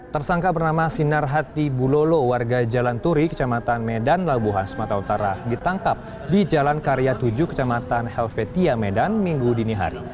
tersangka bernama sinar hati bulolo warga jalan turi kecamatan medan labuhan sumatera utara ditangkap di jalan karya tujuh kecamatan helvetia medan minggu dini hari